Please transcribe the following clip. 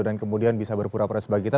dan kemudian bisa berpura pura sebagai kita